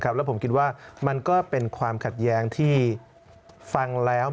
แล้วผมคิดว่ามันก็เป็นความขัดแย้งที่ฟังแล้ว